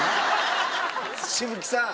紫吹さん。